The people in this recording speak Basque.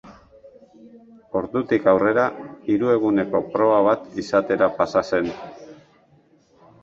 Ordutik aurrera, hiru eguneko proba bat izatera pasa zen.